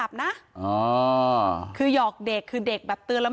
พนักงานในร้าน